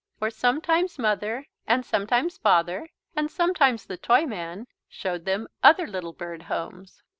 For sometimes Mother and sometimes Father and sometimes the Toyman showed them other little bird homes.